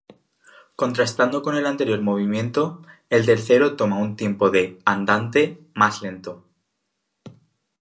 Contrastando con el anterior movimiento, el tercero toma un tiempo de "Andante" más lento.